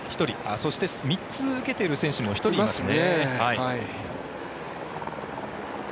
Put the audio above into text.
そして３つ受けている選手も１人いますね。